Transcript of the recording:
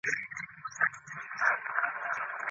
د رقیب زړه به کباب سي له حسده لمبه کیږي